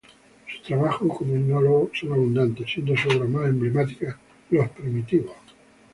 Sus trabajos como etnólogo son abundantes, siendo su obra más emblemática: "Los primitivos".